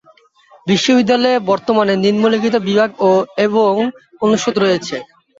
বিশ্ববিদ্যালয়ে বর্তমানে নিম্নলিখিত বিভাগ এবং অনুষদ রয়েছে।